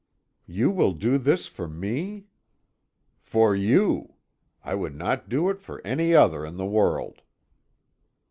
"You will do this for me?" "For you. I would not do it for any other in the world."